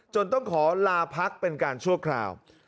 ต้องขอลาพักเป็นการชั่วคราว